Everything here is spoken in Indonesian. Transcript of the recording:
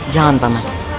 jangan pak man